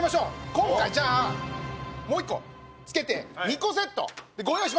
今回じゃあもう一個付けて２個セットでご用意しました。